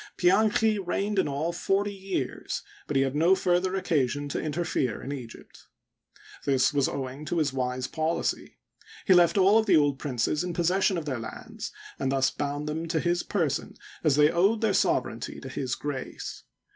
Pianchi reigned in all forty years, but he had no further occasion to interfere in Egypt. This was owing to his wise policy. He left all of the old princes in, possession of their lands, and thus bound them to his person as they owed their sovereignty to his grace.